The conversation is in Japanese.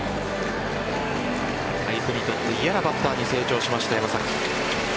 相手にとって嫌なバッターに成長しました山崎。